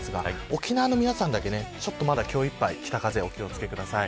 沖縄の皆さんだけは今日いっぱい北風に注意してください。